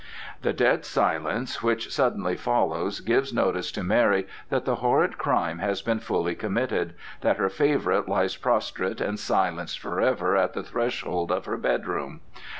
The dead silence which suddenly follows gives notice to Mary that the horrid crime has been fully committed, that her favorite lies prostrate and silenced forever at the threshold of her bedroom.